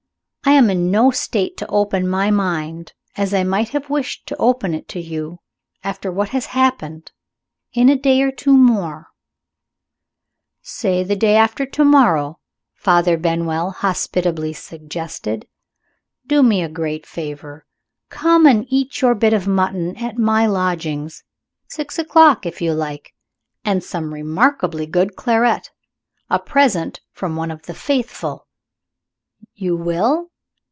"I am in no state to open my mind as I might have wished to open it to you after what has happened. In a day or two more " "Say the day after to morrow," Father Benwell hospitably suggested. "Do me a great favor. Come and eat your bit of mutton at my lodgings. Six o'clock, if you like and some remarkably good claret, a present from one of the Faithful. You will?